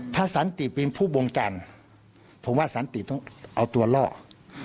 ถ้าสันติเป็นผู้บงการผมว่าสันติต้องเอาตัวล่อ